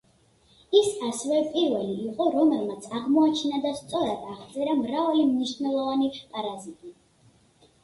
ის ასევე პირველი იყო რომელმაც აღმოაჩინა და სწორად აღწერა მრავალი მნიშვნელოვანი პარაზიტი.